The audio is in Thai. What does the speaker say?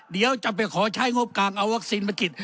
เดี๋ยวจะไปขอใช้งบกลางเอาวัคซีนมาฉีด